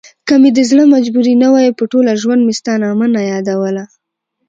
که مې دزړه مجبوري نه وای په ټوله ژوندمي ستا نامه نه يادوله